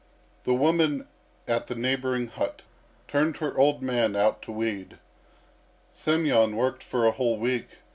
The woman at the neighbouring hut turned her old man out to weed. Semyon worked for a whole week.